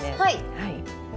はい。